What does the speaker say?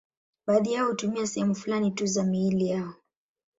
Baadhi yao hutumia sehemu fulani tu za miili yao.